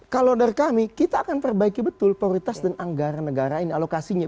kalau dari kami kita akan perbaiki betul prioritas dan anggaran negara ini alokasinya